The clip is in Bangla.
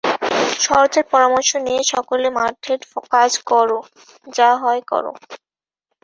শরতের পরামর্শ নিয়ে সকল মঠের কাজ কর, যা হয় কর।